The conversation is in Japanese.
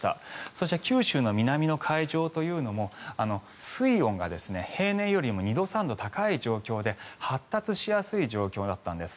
そして九州の南の海上というのも水温が平年よりも２度３度高い状況で発達しやすい状況だったんです。